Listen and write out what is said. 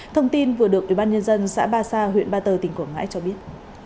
thông tin vừa được ủy ban nhân dân xã ba sa huyện ba tờ tỉnh quảng ngãi cho biết